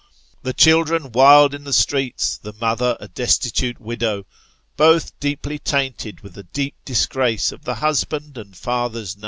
The children wild iu the streets, the mother a destitute widow ; both deeply tainted with the deep disgrace of the husband and father's 58 Sketches by Bos.